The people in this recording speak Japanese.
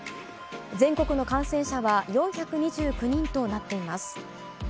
全国の感染者は４２９人となっています。